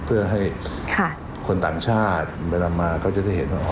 เพื่อให้คนต่างชาติเวลามาเขาจะได้เห็นว่า